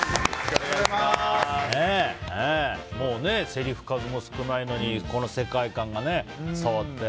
せりふ数も少ないのにこの世界観がね、伝わって。